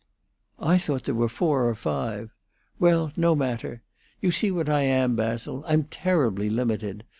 "I thought there were four or five. Well, no matter. You see what I am, Basil. I'm terribly limited.